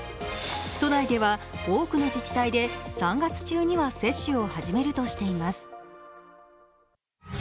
都内では多くの自治体で３月中には接種を始めるとしています。